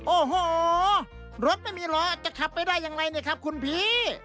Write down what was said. โอ้โหรถไม่มีล้อจะขับไปได้อย่างไรเนี่ยครับคุณพี่